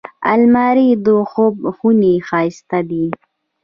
الماري د خوب خونې ښايست دی